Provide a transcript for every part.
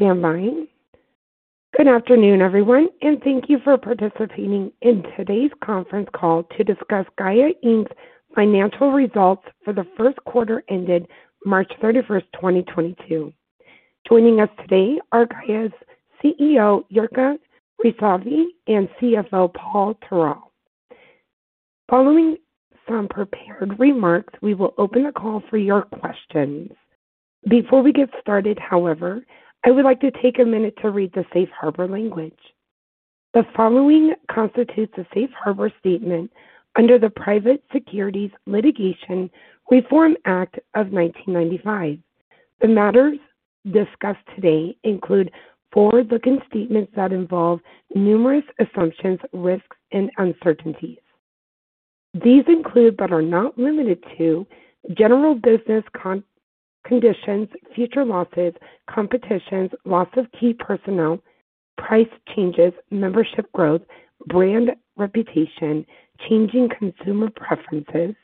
Please stand by. Good afternoon, everyone, and thank you for participating in today's conference call to discuss Gaia, Inc.'s financial results for the Q1 ended March 31, 2022. Joining us today are Gaia's CEO, Jirka Rysavy, and CFO, Paul Tarell. Following some prepared remarks, we will open the call for your questions. Before we get started, however, I would like to take a minute to read the safe harbor language. The following constitutes a safe harbor statement under the Private Securities Litigation Reform Act of 1995. The matters discussed today include forward-looking statements that involve numerous assumptions, risks, and uncertainties. These include, but are not limited to general business conditions, future losses, competitions, loss of key personnel, price changes, membership growth, brand reputation, changing consumer preferences,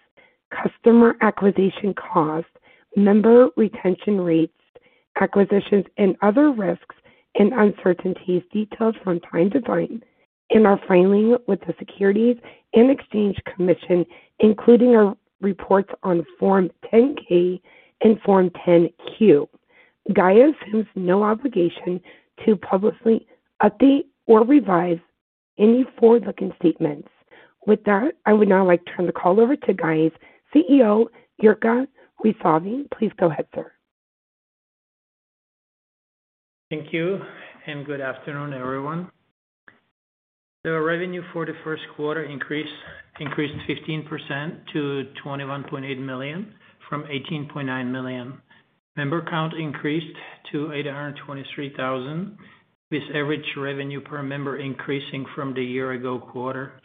customer acquisition costs, member retention rates, acquisitions, and other risks and uncertainties detailed from time to time in our filing with the Securities and Exchange Commission, including our reports on Form 10-K and Form 10-Q. Gaia assumes no obligation to publicly update or revise any forward-looking statements. With that, I would now like to turn the call over to Gaia's CEO, Jirka Rysavy. Please go ahead, sir. Thank you and good afternoon, everyone. The revenue for the Q1 increased 15% to $21.8 million from $18.9 million. Member count increased to 823,000, with average revenue per member increasing from the year-ago quarter.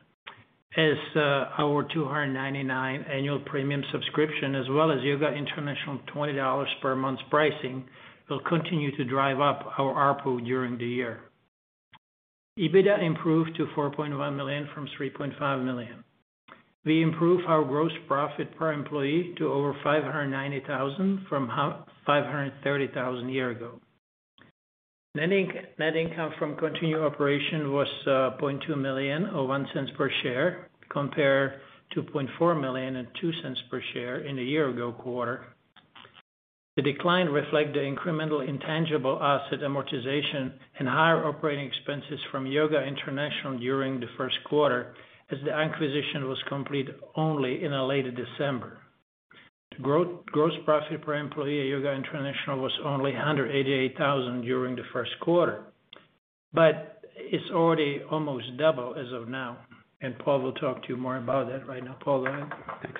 Our $299 annual premium subscription, as well as Yoga International $20 per month pricing will continue to drive up our ARPU during the year. EBITDA improved to $4.1 million from $3.5 million. We improved our gross profit per employee to over $590,000 from $530,000 year ago. Net income from continuing operations was $0.2 million or $0.01 per share compared to $0.4 million or $0.02 per share in the year-ago quarter. The decline reflect the incremental intangible asset amortization and higher operating expenses from Yoga International during the Q1 as the acquisition was complete only in the late December. Gross profit per employee at Yoga International was only $188,000 during the Q1, but it's already almost double as of now. Paul will talk to you more about that right now. Paul, go ahead. Thanks.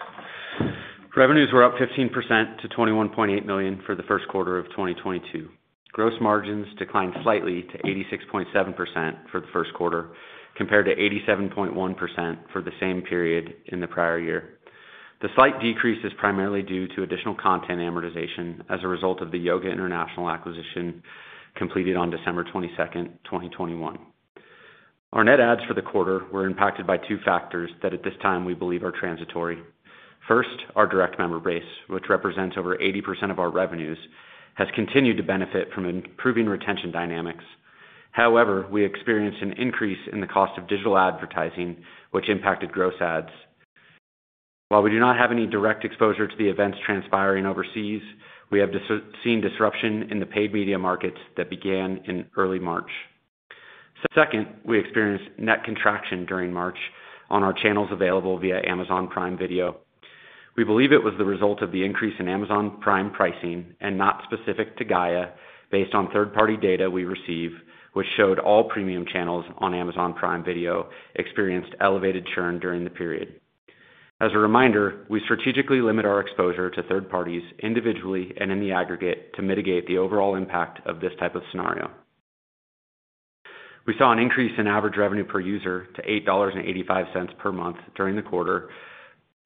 Revenues were up 15% to $21.8 million for the Q1 of 2022. Gross margins declined slightly to 86.7% for the Q1, compared to 87.1% for the same period in the prior year. The slight decrease is primarily due to additional content amortization as a result of the Yoga International acquisition completed on December 22, 2021. Our net adds for the quarter were impacted by two factors that at this time we believe are transitory. First, our direct member base, which represents over 80% of our revenues, has continued to benefit from improving retention dynamics. However, we experienced an increase in the cost of digital advertising, which impacted gross adds. While we do not have any direct exposure to the events transpiring overseas, we have seen disruption in the paid media markets that began in early March. Second, we experienced net contraction during March on our channels available via Amazon Prime Video. We believe it was the result of the increase in Amazon Prime pricing and not specific to Gaia based on third-party data we receive, which showed all premium channels on Amazon Prime Video experienced elevated churn during the period. As a reminder, we strategically limit our exposure to third parties individually and in the aggregate to mitigate the overall impact of this type of scenario. We saw an increase in average revenue per user to $8.85 per month during the quarter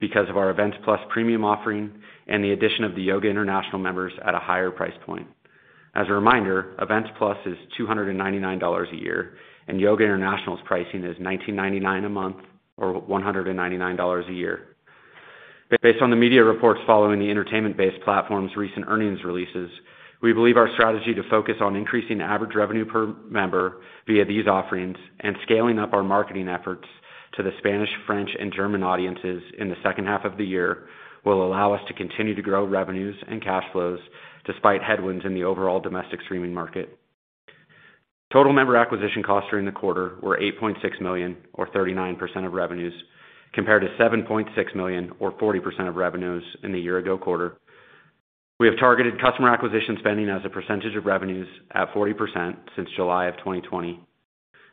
because of our Events Plus premium offering and the addition of the Yoga International members at a higher price point. As a reminder, Events Plus is $299 a year, and Yoga International's pricing is $19.99 a month or $199 a year. Based on the media reports following the entertainment-based platform's recent earnings releases, we believe our strategy to focus on increasing average revenue per member via these offerings and scaling up our marketing efforts to the Spanish, French, and German audiences in the second half of the year will allow us to continue to grow revenues and cash flows despite headwinds in the overall domestic streaming market. Total member acquisition costs during the quarter were $8.6 million or 39% of revenues, compared to $7.6 million or 40% of revenues in the year ago quarter. We have targeted customer acquisition spending as a percentage of revenues at 40% since July 2020.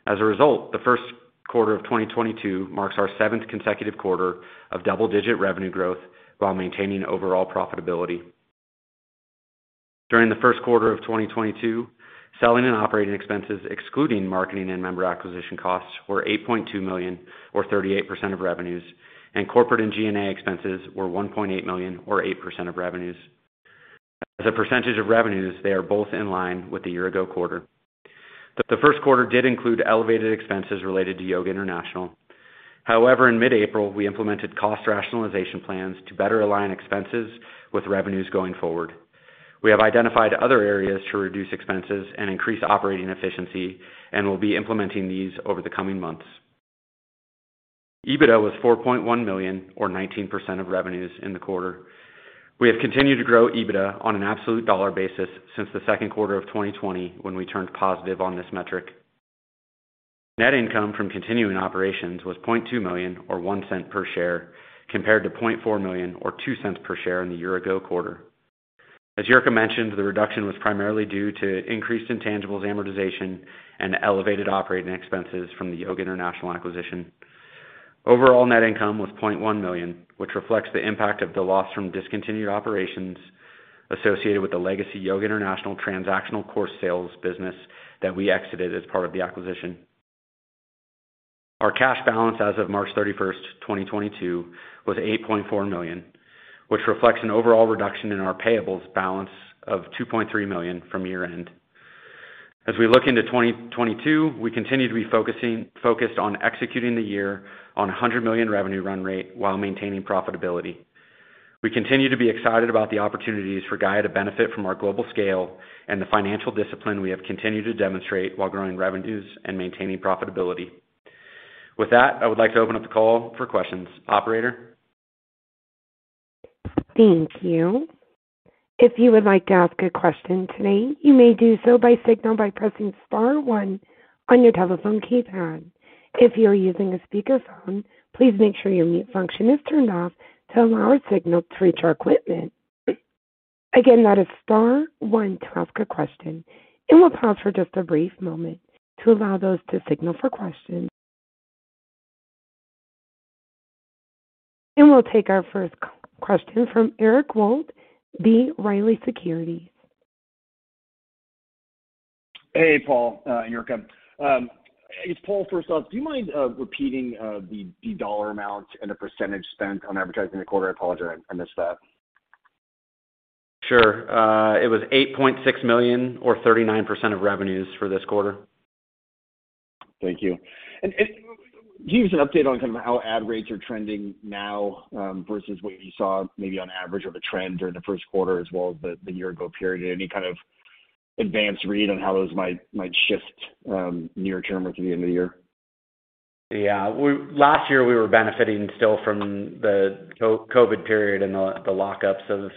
As a result, the Q1 of 2022 marks our seventh consecutive quarter of double-digit revenue growth while maintaining overall profitability. During the Q1 of 2022, selling and operating expenses excluding marketing and member acquisition costs were $8.2 million or 38% of revenues, and corporate and G&A expenses were $1.8 million or 8% of revenues. As a percentage of revenues, they are both in line with the year-ago quarter. The Q1 did include elevated expenses related to Yoga International. However, in mid-April, we implemented cost rationalization plans to better align expenses with revenues going forward. We have identified other areas to reduce expenses and increase operating efficiency, and we'll be implementing these over the coming months. EBITDA was $4.1 million or 19% of revenues in the quarter. We have continued to grow EBITDA on an absolute dollar basis since the second quarter of 2020 when we turned positive on this metric. Net income from continuing operations was $0.2 million or $0.01 per share, compared to $0.4 million or $0.02 per share in the year ago quarter. As Jirka mentioned, the reduction was primarily due to increased intangibles amortization and elevated operating expenses from the Yoga International acquisition. Overall net income was $0.1 million, which reflects the impact of the loss from discontinued operations associated with the legacy Yoga International transactional course sales business that we exited as part of the acquisition. Our cash balance as of March 31, 2022 was $8.4 million, which reflects an overall reduction in our payables balance of $2.3 million from year-end. As we look into 2022, we continue to be focused on executing the year on a $100 million revenue run rate while maintaining profitability. We continue to be excited about the opportunities for Gaia to benefit from our global scale and the financial discipline we have continued to demonstrate while growing revenues and maintaining profitability. With that, I would like to open up the call for questions. Operator? Thank you. If you would like to ask a question today, you may do so by signal by pressing star one on your telephone keypad. If you are using a speakerphone, please make sure your mute function is turned off to allow a signal to reach our equipment. Again, that is star one to ask a question. We'll pause for just a brief moment to allow those to signal for questions. We'll take our first question from Eric Wold, B. Riley Securities. Hey, Paul, Jirka. It's Paul. First off, do you mind repeating the dollar amount and the percentage spent on advertising the quarter? I apologize. I missed that. Sure. It was $8.6 million or 39% of revenues for this quarter. Thank you. Can you give us an update on kind of how ad rates are trending now, versus what you saw maybe on average of a trend during the Q1 as well as the year ago period? Any kind of advanced read on how those might shift, near term or through the end of the year? Yeah, last year, we were benefiting still from the COVID period and the lockdowns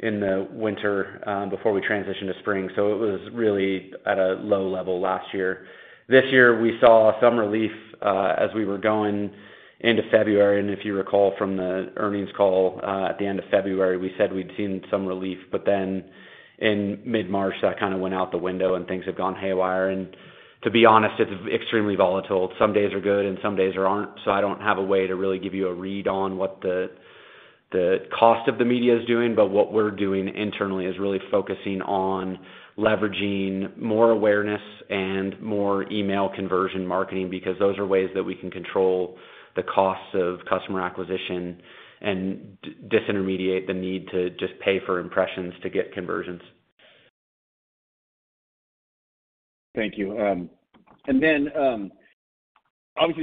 in the winter, before we transitioned to spring. It was really at a low level last year. This year, we saw some relief as we were going into February. If you recall from the earnings call at the end of February, we said we'd seen some relief. In mid-March, that kind of went out the window, and things have gone haywire. To be honest, it's extremely volatile. Some days are good, and some days aren't. I don't have a way to really give you a read on what the cost of the media is doing. What we're doing internally is really focusing on leveraging more awareness and more email conversion marketing because those are ways that we can control the costs of customer acquisition and disintermediate the need to just pay for impressions to get conversions. Thank you. Obviously,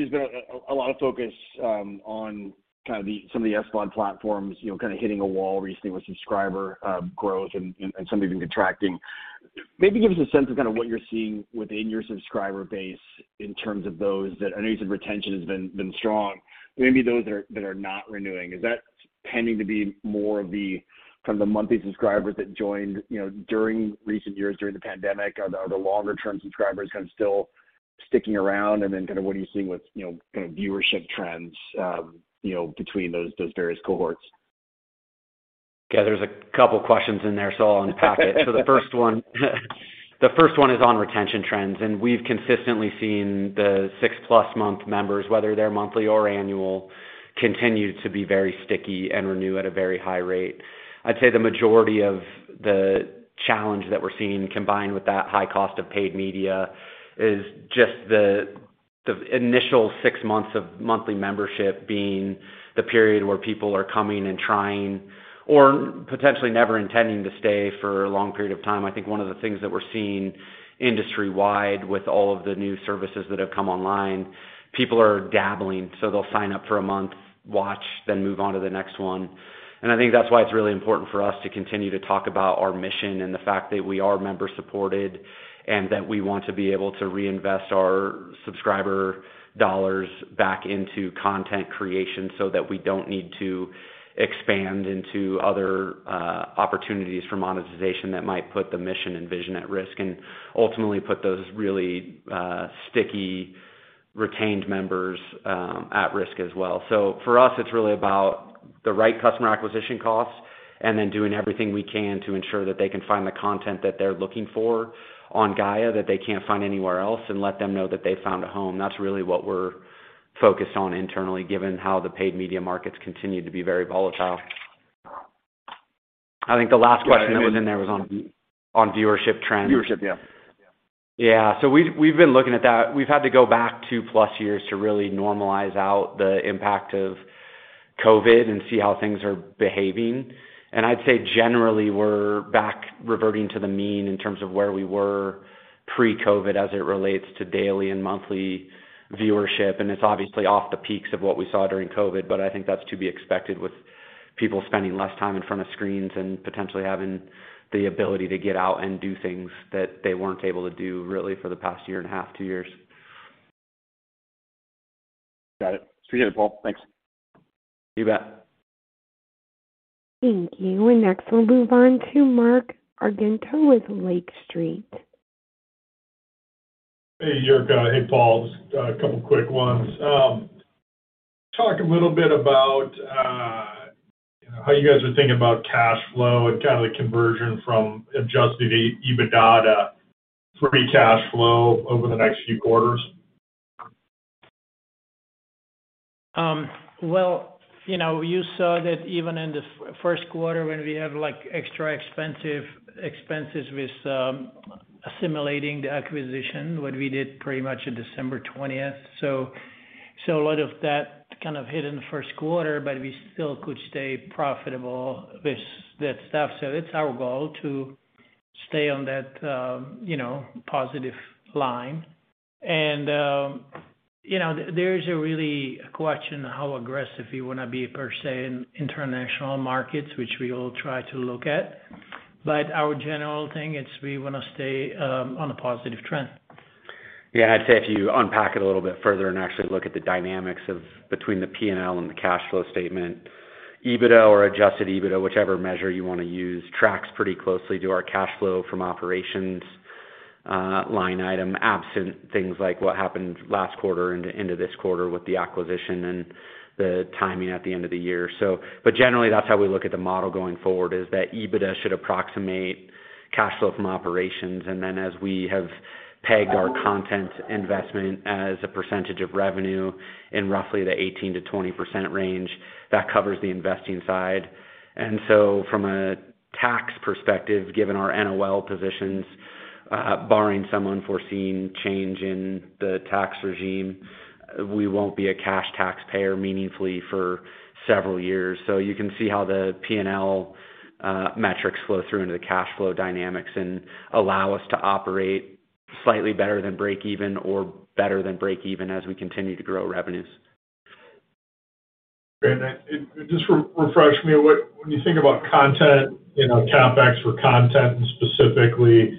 there's been a lot of focus on some of the SVOD platforms, you know, kind of hitting a wall recently with subscriber growth and some even contracting. Maybe give us a sense of what you're seeing within your subscriber base in terms of those that I know you said retention has been strong, but maybe those that are not renewing. Is that tending to be more of the kind of monthly subscribers that joined, you know, during recent years during the pandemic? Are the longer-term subscribers kind of still sticking around? What are you seeing with you know kind of viewership trends you know between those various cohorts? Yeah. There's a couple questions in there, so I'll unpack it. The first one is on retention trends. We've consistently seen the six plus month members, whether they're monthly or annual, continue to be very sticky and renew at a very high rate. I'd say the majority of the challenge that we're seeing combined with that high cost of paid media is just the initial six months of monthly membership being the period where people are coming and trying or potentially never intending to stay for a long period of time. I think one of the things that we're seeing industry-wide with all of the new services that have come online, people are dabbling. They'll sign up for a month, watch, then move on to the next one. I think that's why it's really important for us to continue to talk about our mission and the fact that we are member-supported and that we want to be able to reinvest our subscriber dollars back into content creation so that we don't need to expand into other opportunities for monetization that might put the mission and vision at risk and ultimately put those really sticky, retained members at risk as well. For us, it's really about the right customer acquisition costs and then doing everything we can to ensure that they can find the content that they're looking for on Gaia that they can't find anywhere else and let them know that they found a home. That's really what we're focused on internally, given how the paid media markets continue to be very volatile. I think the last question that was in there was on viewership trends. Viewership. Yeah. Yeah. Yeah. We've been looking at that. We've had to go back two-plus years to really normalize out the impact of COVID and see how things are behaving. I'd say generally, we're back reverting to the mean in terms of where we were pre-COVID as it relates to daily and monthly viewership, and it's obviously off the peaks of what we saw during COVID, but I think that's to be expected with people spending less time in front of screens and potentially having the ability to get out and do things that they weren't able to do really for the past year and a half, two years. Got it. Appreciate it, Paul. Thanks. You bet. Thank you. Next we'll move on to Mark Argento with Lake Street. Hey, Jirka. Hey, Paul. Just a couple quick ones. Talk a little bit about how you guys are thinking about cash flow and kind of the conversion from adjusted EBITDA to free cash flow over the next few quarters? Well, you know, you saw that even in the Q1 when we had, like, extra expenses with assimilating the acquisition, what we did pretty much on December 20th. A lot of that kind of hit in the first quarter, but we still could stay profitable with that stuff. It's our goal to stay on that, you know, positive line. You know, there is really a question how aggressive you wanna be per se in international markets, which we will try to look at. Our general thing is we wanna stay on a positive trend. Yeah. I'd say if you unpack it a little bit further and actually look at the dynamics between the P&L and the cash flow statement, EBITDA or adjusted EBITDA, whichever measure you wanna use, tracks pretty closely to our cash flow from operations line item, absent things like what happened last quarter into end of this quarter with the acquisition and the timing at the end of the year. Generally, that's how we look at the model going forward, is that EBITDA should approximate cash flow from operations. Then as we have pegged our content investment as a percentage of revenue in roughly the 18%-20% range, that covers the investing side. From a tax perspective, given our NOL positions, barring some unforeseen change in the tax regime, we won't be a cash taxpayer meaningfully for several years. You can see how the P&L metrics flow through into the cash flow dynamics and allow us to operate slightly better than break even as we continue to grow revenues. Great. Just refresh me, when you think about content, you know, CapEx for content and specifically, you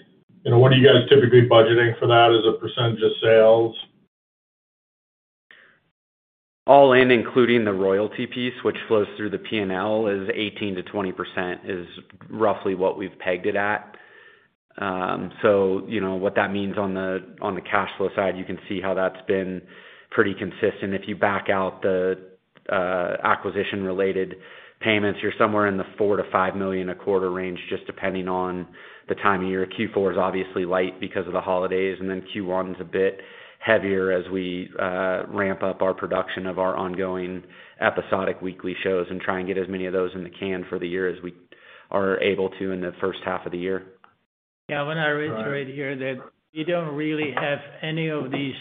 know, what are you guys typically budgeting for that as a percentage of sales? All in, including the royalty piece, which flows through the P&L, is 18%-20% is roughly what we've pegged it at. So you know what that means on the cash flow side, you can see how that's been pretty consistent. If you back out the acquisition-related payments, you're somewhere in the $4 million-$5 million a quarter range, just depending on the time of year. Q4 is obviously light because of the holidays, and then Q1 is a bit heavier as we ramp up our production of our ongoing episodic weekly shows and try and get as many of those in the can for the year as we are able to in the first half of the year. Yeah. I wanna reiterate here that we don't really have any of these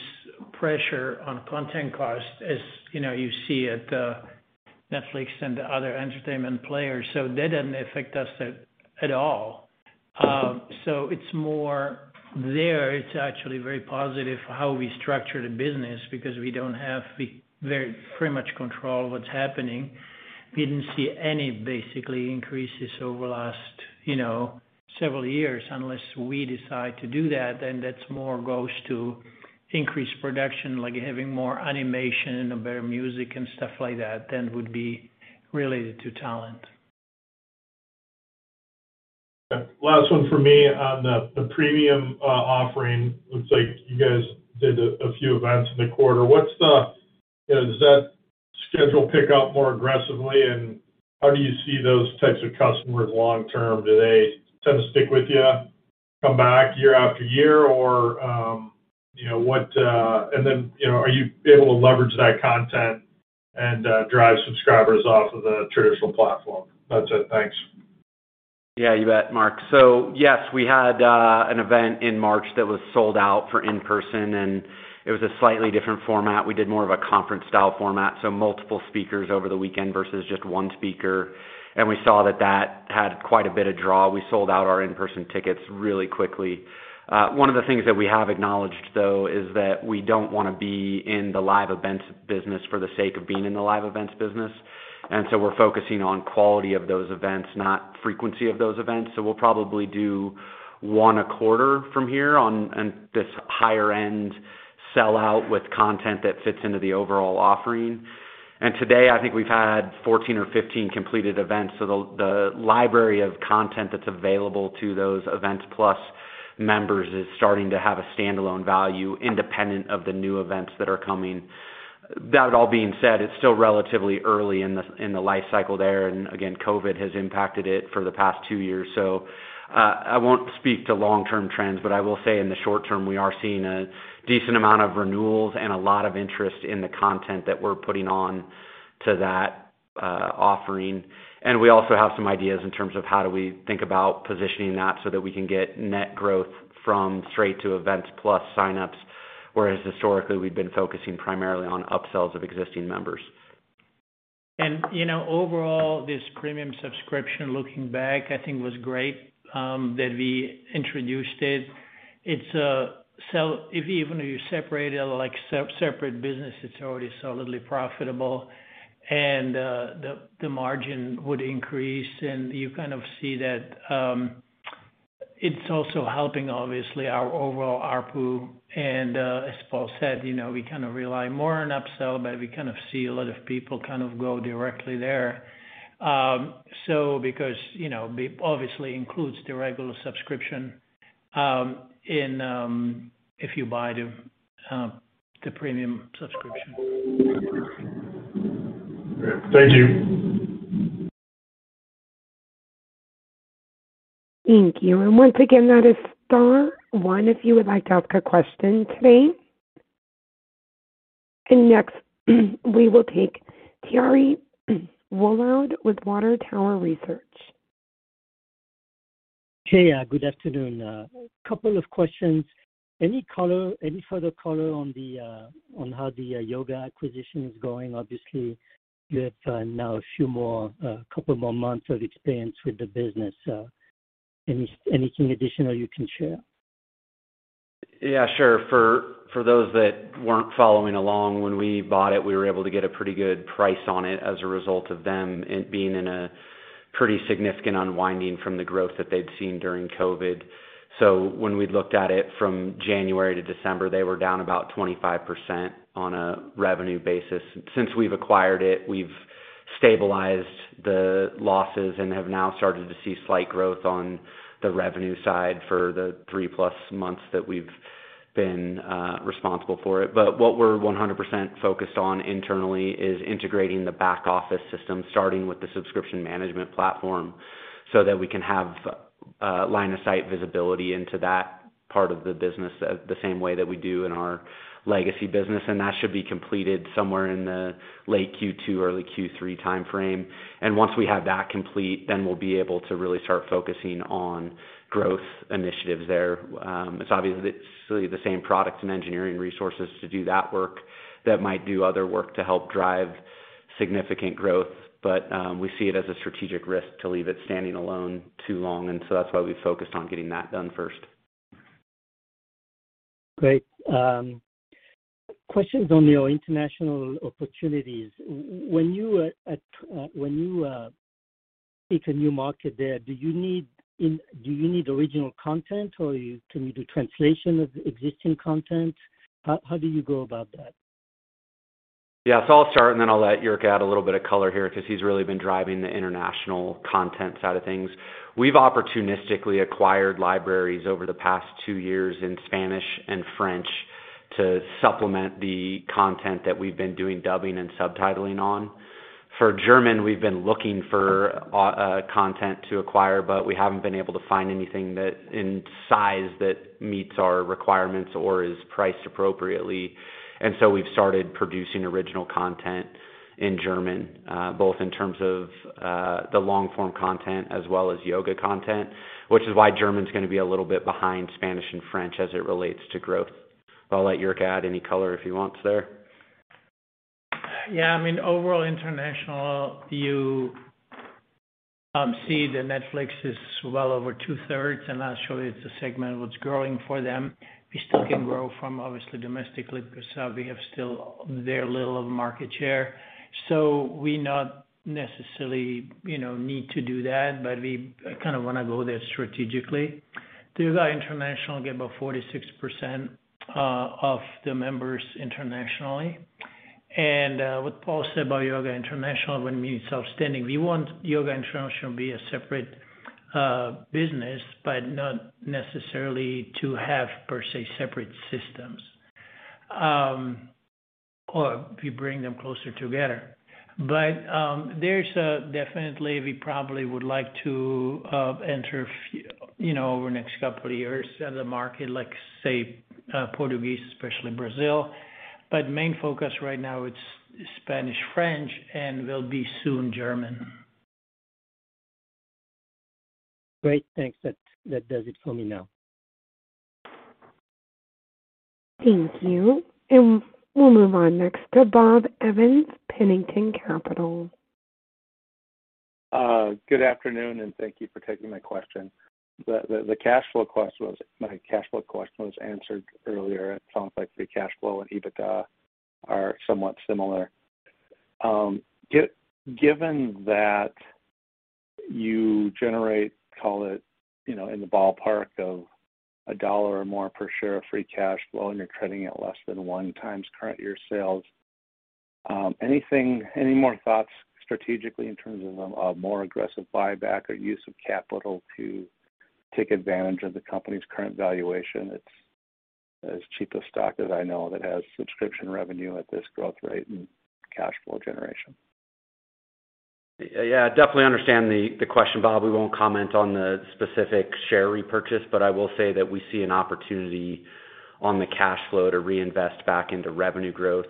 pressure on content costs as, you know, you see at Netflix and other entertainment players. That doesn't affect us at all. It's actually very positive how we structure the business because we pretty much control what's happening. We didn't see any basically increases over the last, you know, several years unless we decide to do that, then that's more goes to increased production, like having more animation and better music and stuff like that than would be related to talent. Last one for me. On the premium offering, looks like you guys did a few events in the quarter. You know, does that schedule pick up more aggressively, and how do you see those types of customers long term? Do they tend to stick with you, come back year after year or, you know, what. You know, are you able to leverage that content and drive subscribers off of the traditional platform? That's it. Thanks. Yeah, you bet, Mark. Yes, we had an event in March that was sold out for in-person, and it was a slightly different format. We did more of a conference style format, so multiple speakers over the weekend versus just one speaker. We saw that had quite a bit of draw. We sold out our in-person tickets really quickly. One of the things that we have acknowledged, though, is that we don't wanna be in the live events business for the sake of being in the live events business. We're focusing on quality of those events, not frequency of those events. We'll probably do one a quarter from here on, and this higher end sell out with content that fits into the overall offering. Today, I think we've had 14 or 15 completed events. The library of content that's available to those Events Plus members is starting to have a standalone value independent of the new events that are coming. That all being said, it's still relatively early in the life cycle there, and again, COVID has impacted it for the past two years. I won't speak to long-term trends, but I will say in the short term, we are seeing a decent amount of renewals and a lot of interest in the content that we're putting on to that offering. We also have some ideas in terms of how do we think about positioning that so that we can get net growth from straight to Events Plus signups. Whereas historically, we've been focusing primarily on upsells of existing members. You know, overall, this premium subscription, looking back, I think was great that we introduced it. It's so if even you separate it like separate business, it's already solidly profitable and the margin would increase. You kind of see that it's also helping obviously our overall ARPU. As Paul said, you know, we kind of rely more on upsell, but we kind of see a lot of people kind of go directly there. So because, you know, obviously includes the regular subscription in if you buy the premium subscription. Thank you. Thank you. Once again, that is star one if you would like to ask a question today. Next, we will take Thierry Wuilloud with Water Tower Research. Hey, good afternoon. A couple of questions. Any color, any further color on how the Yoga acquisition is going? Obviously, you have now a few more, a couple more months of experience with the business. Anything additional you can share? Yeah, sure. For those that weren't following along, when we bought it, we were able to get a pretty good price on it as a result of them being in a pretty significant unwinding from the growth that they'd seen during COVID. When we looked at it from January to December, they were down about 25% on a revenue basis. Since we've acquired it, we've stabilized the losses and have now started to see slight growth on the revenue side for the three plus months that we've been responsible for it. What we're 100% focused on internally is integrating the back office system, starting with the subscription management platform, so that we can have line of sight visibility into that part of the business the same way that we do in our legacy business. That should be completed somewhere in the late Q2, early Q3 time frame. Once we have that complete, then we'll be able to really start focusing on growth initiatives there. It's obviously the same products and engineering resources to do that work that might do other work to help drive significant growth. We see it as a strategic risk to leave it standing alone too long, and so that's why we focused on getting that done first. Great. Questions on your international opportunities. When you take a new market there, do you need original content or can you do translation of existing content? How do you go about that? Yeah. I'll start, and then I'll let Jirka add a little bit of color here because he's really been driving the international content side of things. We've opportunistically acquired libraries over the past two years in Spanish and French to supplement the content that we've been doing dubbing and subtitling on. For German, we've been looking for content to acquire, but we haven't been able to find anything in size that meets our requirements or is priced appropriately. We've started producing original content in German both in terms of the long form content as well as yoga content, which is why German is gonna be a little bit behind Spanish and French as it relates to growth. I'll let Jirka add any color if he wants there. Yeah, I mean, overall international, you see the Netflix is well over two-thirds, and actually it's a segment which growing for them. We still can grow from obviously domestically because we have still very little of market share. We not necessarily, you know, need to do that, but we kind of want to go there strategically. Through the international, get about 46% of the members internationally. What Paul said about Yoga International, when we self-standing, we want Yoga International to be a separate business, but not necessarily to have per se separate systems. Or we bring them closer together. There's definitely, we probably would like to enter, you know, over the next couple of years the market, like say, Portuguese, especially Brazil. Main focus right now it's Spanish, French, and will be soon German. Great. Thanks. That does it for me now. Thank you. We'll move on next to Bob Evans, Pennington Capital. Good afternoon, and thank you for taking my question. The cash flow question was answered earlier. It sounds like the cash flow and EBITDA are somewhat similar. Given that you generate, call it, you know, in the ballpark of $1 or more per share of free cash flow, and you're trading at less than 1x current year sales, anything, any more thoughts strategically in terms of a more aggressive buyback or use of capital to take advantage of the company's current valuation? It's as cheap a stock as I know that has subscription revenue at this growth rate and cash flow generation. Yeah, definitely understand the question, Bob. We won't comment on the specific share repurchase, but I will say that we see an opportunity on the cash flow to reinvest back into revenue growth.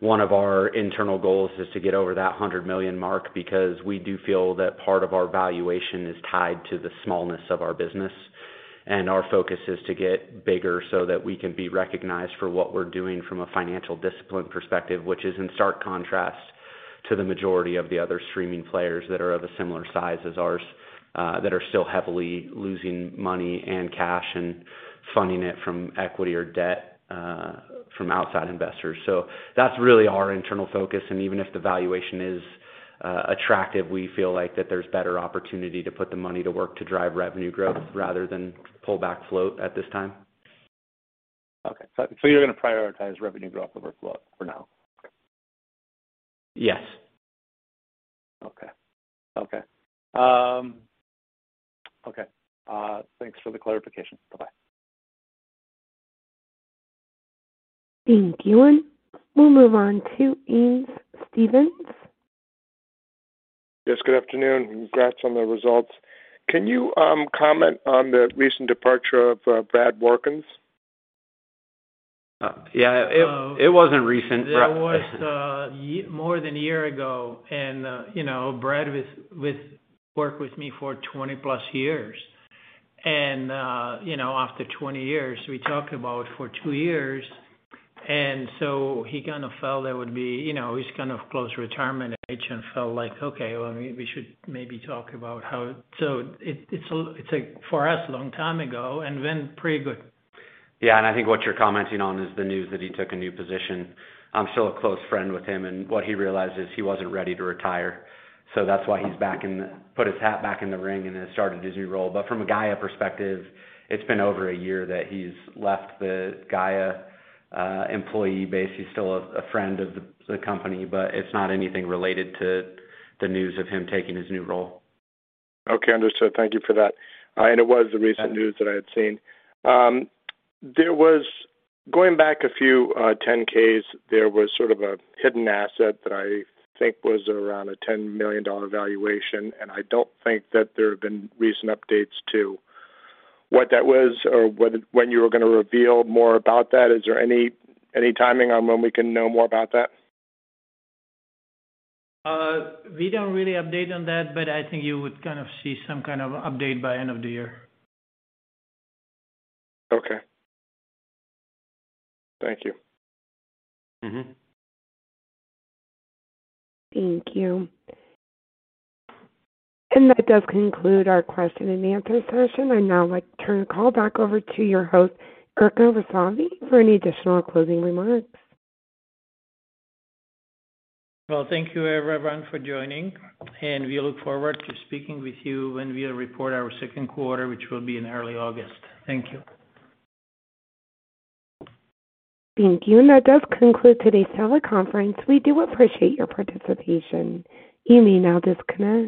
One of our internal goals is to get over that $100 million mark because we do feel that part of our valuation is tied to the smallness of our business. Our focus is to get bigger so that we can be recognized for what we're doing from a financial discipline perspective, which is in stark contrast to the majority of the other streaming players that are of a similar size as ours, that are still heavily losing money and cash and funding it from equity or debt, from outside investors. That's really our internal focus. Even if the valuation is attractive, we feel like that there's better opportunity to put the money to work to drive revenue growth rather than pull back float at this time. Okay. You're gonna prioritize revenue growth over float for now? Yes. Okay, thanks for the clarification. Bye-bye. Thank you. We'll move on to Eanes Stephens. Yes, good afternoon. Congrats on the results. Can you comment on the recent departure of Brad Berkowitz? Yeah. It wasn't recent. There was more than a year ago and, you know, Brad worked with me for 20+ years. After 20 years, we talked about for two years, and he kinda felt that would be, you know, he's kind of close to retirement age and felt like, well, we should maybe talk about how. It's a, for us, a long time ago, and went pretty good. Yeah. I think what you're commenting on is the news that he took a new position. I'm still a close friend with him, and what he realized is he wasn't ready to retire, so that's why he's put his hat back in the ring and has started his new role. From a Gaia perspective, it's been over a year that he's left the Gaia employee base. He's still a friend of the company, but it's not anything related to the news of him taking his new role. Okay, understood. Thank you for that. It was the recent news that I had seen. There was, going back a few Forms 10-K, sort of a hidden asset that I think was around a $10 million valuation, and I don't think that there have been recent updates to what that was or whether, when you were gonna reveal more about that. Is there any timing on when we can know more about that? We don't really update on that, but I think you would kind of see some kind of update by end of the year. Okay. Thank you. Mm-hmm. Thank you. That does conclude our Q&A session. I'd now like to turn the call back over to your host, Jirka Rysavy, for any additional closing remarks. Well, thank you everyone for joining, and we look forward to speaking with you when we report our second quarter, which will be in early August. Thank you. Thank you. That does conclude today's teleconference. We do appreciate your participation. You may now disconnect.